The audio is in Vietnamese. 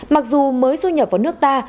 mặc dù mới xuất nhập vào nước ta